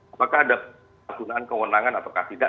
apakah ada pergunaan kewenangan ataukah tidak